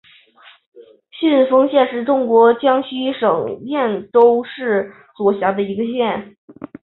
信丰县是中国江西省赣州市所辖的一个县。